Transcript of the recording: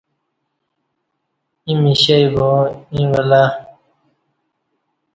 ییں مشئی با ایں ویلہ